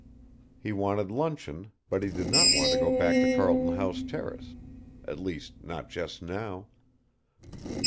He wanted luncheon but he did not want to go back to Carlton House Terrace, at least not just now.